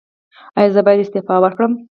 ایا زه باید استعفا ورکړم؟